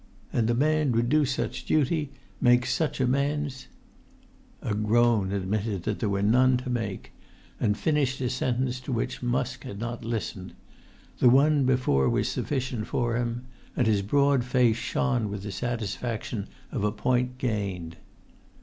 And the man would do such duty—make such amends——" A groan admitted that there were none to make, and finished a sentence to which Musk had not listened; the one before was sufficient for him; and his broad face shone with the satisfaction of a point gained.